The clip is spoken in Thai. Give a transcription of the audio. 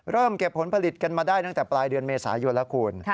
เริ่มเก็บผลผลิตกันมาได้ตั้งแต่ปลายเดือนเมษายนแล้วคุณ